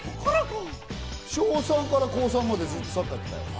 小３から高３まで、ずっとサッカーやってた。